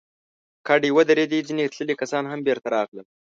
کډې ودرېدې، ځينې تللي کسان هم بېرته راغلل.